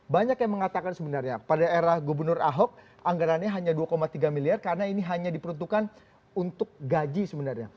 banyak yang mengatakan sebenarnya pada era gubernur ahok anggarannya hanya dua tiga miliar karena ini hanya diperuntukkan untuk gaji sebenarnya